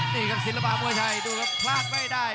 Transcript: นี่ครับศิลปะมวยไทยดูครับพลาดไม่ได้